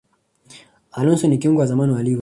alonso ni kiungo wa zamani wa liverpool